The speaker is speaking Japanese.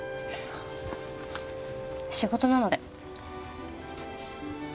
仕事なので。